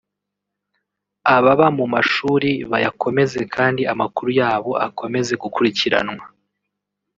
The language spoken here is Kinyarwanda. ababa mu mashuri bayakomeze kandi amakuru yabo akomeze gukurikiranwa